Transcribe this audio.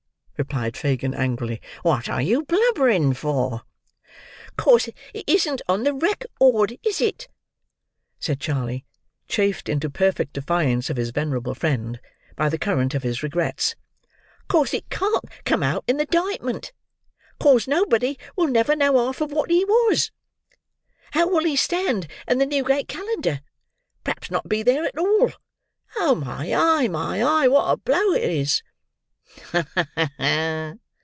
replied Fagin angrily; "what are you blubbering for?" "'Cause it isn't on the rec ord, is it?" said Charley, chafed into perfect defiance of his venerable friend by the current of his regrets; "'cause it can't come out in the 'dictment; 'cause nobody will never know half of what he was. How will he stand in the Newgate Calendar? P'raps not be there at all. Oh, my eye, my eye, wot a blow it is!" "Ha! ha!"